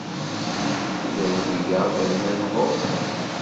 Ula d wiyaḍ rnan ɣur-sen.